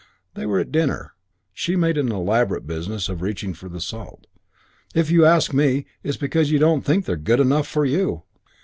They were at dinner. She made an elaborate business of reaching for the salt. "If you ask me, it's because you don't think they're good enough for you."